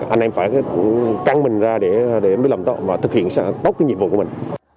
anh em phải căng mình ra để thực hiện tốt nhiệm vụ của mình